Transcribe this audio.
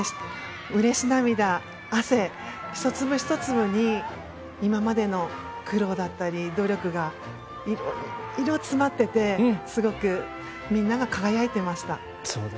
うれし涙、汗、１粒１粒に今までの苦労だったり努力がいろいろ詰まっていてすごくみんなが輝いていました。